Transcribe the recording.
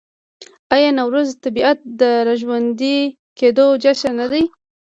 آیا نوروز د طبیعت د راژوندي کیدو جشن نه دی؟